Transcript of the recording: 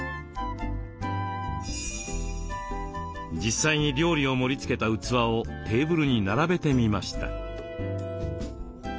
実際に料理を盛りつけた器をテーブルに並べてみました。